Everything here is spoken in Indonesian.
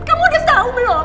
kamu udah tau belum